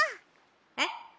「えっ？」。